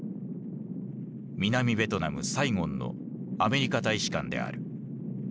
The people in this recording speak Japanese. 南ベトナムサイゴンのアメリカ大使館である。